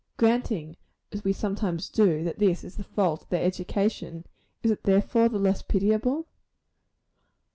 Granting, as we sometimes do, that this is the fault of their education, is it therefore the less pitiable?